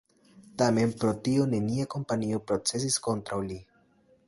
Tamen pro tio nenia kompanio procesis kontraŭ li.